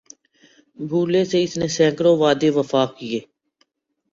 بھولے سے اس نے سیکڑوں وعدے وفا کیے